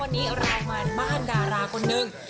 วันนี้รายมาร์ธมาร์นดาราคนนึง